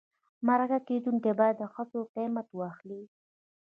مرکه کېدونکی باید د هڅو قیمت واخلي.